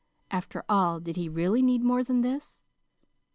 After all, did he really need more than this?